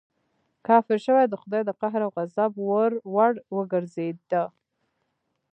کافر شوې د خدای د قهر او غضب وړ وګرځېدې.